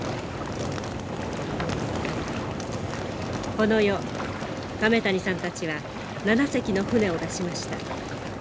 この夜亀谷さんたちは７隻の舟を出しました。